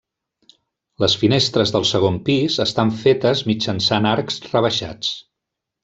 Les finestres del segon pis estan fetes mitjançant arcs rebaixats.